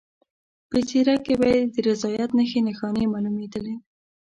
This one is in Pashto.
په څېره کې به یې د رضایت نښې نښانې معلومېدلې.